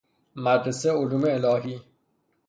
مدرسه علوم الهی